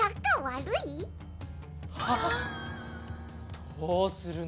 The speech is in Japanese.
どうするの？